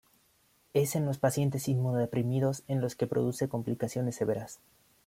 Es en los pacientes inmunodeprimidos en los que produce complicaciones severas.